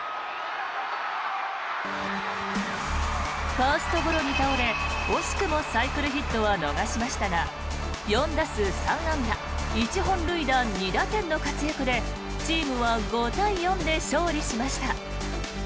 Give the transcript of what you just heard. ファーストゴロに倒れ惜しくもサイクルヒットは逃しましたが４打数３安打１本塁打２打点の活躍でチームは５対４で勝利しました。